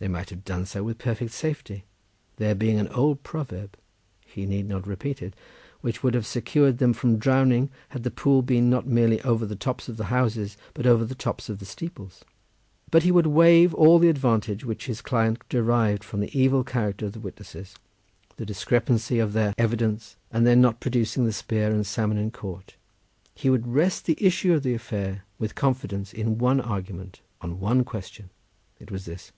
They might have done so with perfect safety, there being an old proverb—he need not repeat it—which would have secured them from drowning had the pool been not merely over the tops of the houses, but over the tops of the steeples. But he would waive all the advantage which his client derived from the evil character of the witnesses, the discrepancy of their evidence, and their not producing the spear and salmon in court. He would rest the issue of the affair with confidence, on one argument, on one question; it was this.